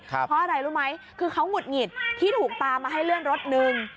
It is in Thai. เพราะอะไรรู้ไหมคือเขาหงุดหงิดที่ถูกตามมาให้เลื่อนรถหนึ่ง